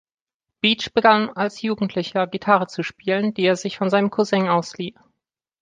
Beach begann als Jugendlicher Gitarre zu spielen, die er sich von seinem Cousin auslieh.